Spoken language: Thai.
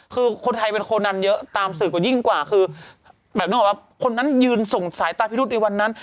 คือคนไทยเป็นคนันเยอะตามสื่อกว่ายิ่งกว่าคือแบบนึกออกปะคนนั้นยืนส่งสายตาพิรุษในวันนั้น